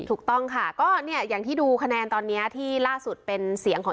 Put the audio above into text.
ถูกต้องค่ะก็เนี่ยอย่างที่ดูคะแนนตอนนี้ที่ล่าสุดเป็นเสียงของ